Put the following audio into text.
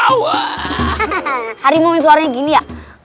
hahaha harimau suaranya gini ya